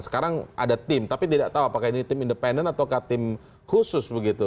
sekarang ada tim tapi tidak tahu apakah ini tim independen atau tim khusus begitu